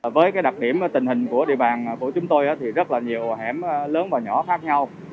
với đặc điểm tình hình của địa bàn của chúng tôi thì rất là nhiều hẻm lớn và nhỏ khác nhau